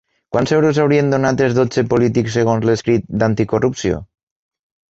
Quants euros haurien donat els dotze polítics segons l'escrit d'Anticorrupció?